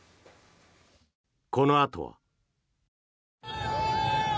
このあとは。